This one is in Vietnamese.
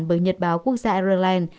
bởi nhật báo quốc gia ireland